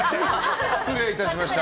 失礼いたしました。